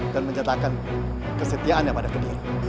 dan mencatatkan kesetiaan yang pada kebiru